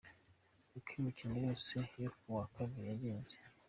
Uko imikino yose yo kuwa Kabiri yagenze.